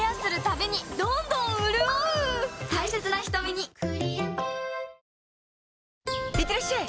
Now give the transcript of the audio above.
ニトリいってらっしゃい！